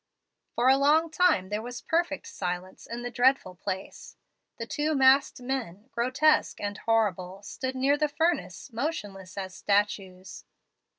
For a long time there was perfect silence in the dreadful place. The two masked men, grotesque and horrible, stood near the furnace, motionless as statues.